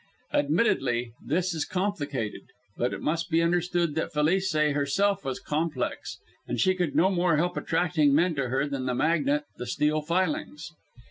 Admittedly this is complicated, but it must be understood that Felice herself was complex, and she could no more help attracting men to her than the magnet the steel filings.